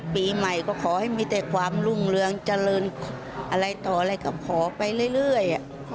ปีใหม่ก็ขอให้มีแต่ความรุ่งเรืองเจริญอะไรต่ออะไรก็ขอไปเรื่อย